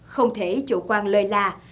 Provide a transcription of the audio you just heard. không thể chủ quan lời la